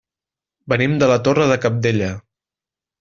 Venim de la Torre de Cabdella.